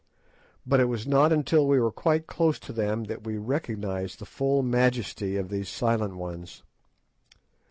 But it was not until we were quite close to them that we recognised the full majesty of these "Silent Ones."